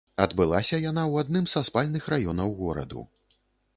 Адбылася яна ў адным са спальных раёнаў гораду.